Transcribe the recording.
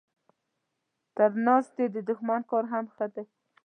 تر ناستي د دښمن کار هم ښه دی.